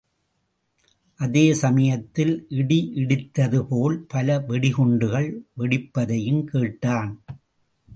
அதே சமயத்தில் இடி இடித்தது போல் பல வெடிகுண்டுகள் வெடிப்பதையும் கேட்டான்.